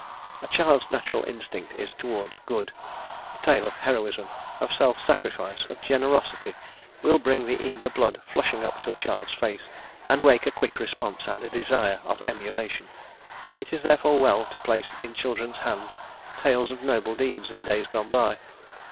A child's natural instinct is towards good; a tale of heroism, of self sacrifice, of generosity, will bring the eager blood flushing up to a child's face and wake a quick response and a desire of emulation. It is therefore well to place in children's hands tales of noble deeds in days gone by.